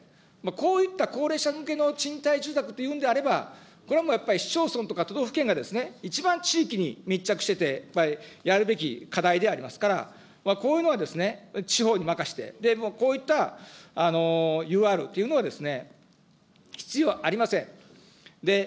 こういった高齢者向けの賃貸住宅というんであれば、これはやっぱり市町村とか都道府県がいちばん地域に密着しててやるべき課題でありますから、こういうのは地方に任せて、もうこういったＵＲというのはですね、必要ありません。